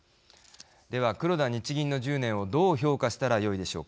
では黒田日銀の１０年をどう評価したらよいでしょうか。